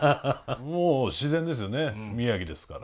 もう自然ですよね宮城ですから。